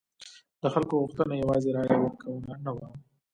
د خلکو غوښتنه یوازې رایه ورکونه نه وه.